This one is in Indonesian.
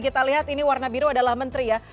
kita lihat ini warna biru adalah menteri ya